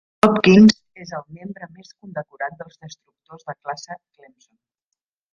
"Hopkins" és el membre més condecorat dels destructors de classe Clemson.